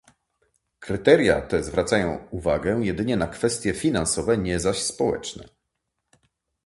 Kryteria te zwracają uwagę jedynie na kwestie finansowe, nie zaś społeczne